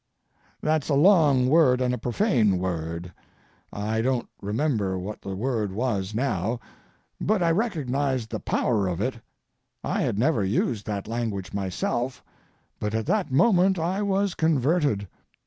That's a long word and a profane word. I don't remember what the word was now, but I recognized the power of it. I had never used that language myself, but at that moment I was converted.